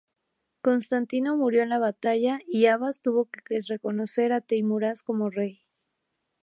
Constantino murió en la batalla y Abbas tuvo que reconocer a Teimuraz como rey.